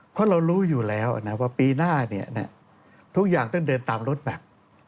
เพราะเรารู้อยู่แล้วนะว่าปีหน้าทุกอย่างต้องเดินตามรถแมพ